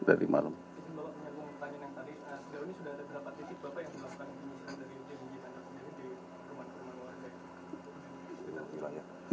sekarang ini sudah ada berapa titik bapak yang melakukan penyibat dari tkp di rumah rumah luar